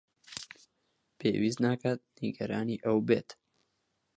پێویست ناکات نیگەرانی ئەو بێت.